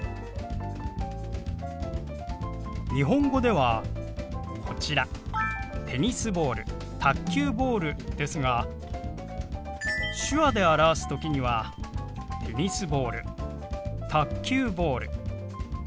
日本語ではこちら「テニスボール」「卓球ボール」ですが手話で表す時には「テニスボール」「卓球ボール」。